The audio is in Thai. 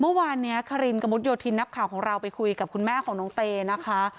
เมื่อวานนี้คารินกระมุดโยธินนักข่าวของเราไปคุยกับคุณแม่ของน้องเตนะคะ